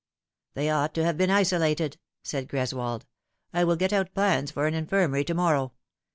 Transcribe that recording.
" They ought to have been isolated," said Greswold, " I will get out plans for an infirmary to morrow.